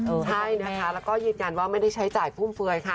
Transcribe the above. ใช่นะคะแล้วก็ยืนยันว่าไม่ได้ใช้จ่ายฟุ่มเฟือยค่ะ